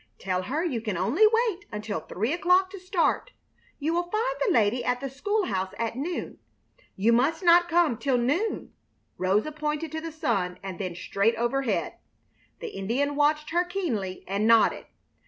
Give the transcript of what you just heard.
Tell her you can only wait until three o'clock to start. You will find the lady at the school house at noon. You must not come till noon " Rosa pointed to the sun and then straight overhead. The Indian watched her keenly and nodded.